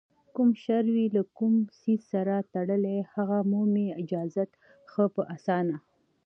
کوم شر وي له کوم څیز سره تړلی، هغه مومي اجازت ښه په اسانه